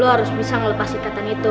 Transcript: lu harus bisa melepasi kata itu